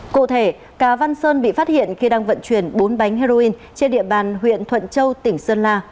cụ thể cà văn sơn bị phát hiện khi đang vận chuyển bốn bánh heroin trên địa bàn huyện thuận châu tỉnh sơn la